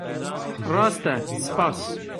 Rast e. Spas.